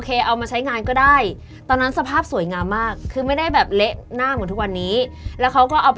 เอามาใส่ชุดเออ